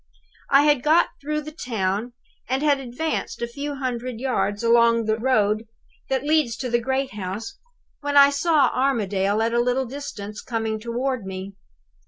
"I had got through the town, and had advanced a few hundred yards along the road that leads to the great house, when I saw Armadale at a little distance, coming toward me.